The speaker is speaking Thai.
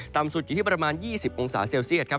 สุดอยู่ที่ประมาณ๒๐องศาเซลเซียตครับ